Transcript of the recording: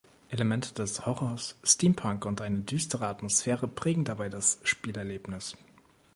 Elemente des Horrors, Steampunk und eine düstere Atmosphäre prägen dabei das Spielerlebnis.